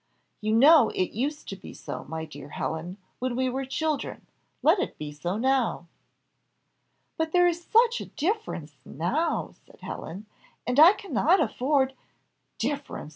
"You know it used to be so, my dear Helen, when we were children; let it be so now." "But there is such a difference now" said Helen; "and I cannot afford " "Difference!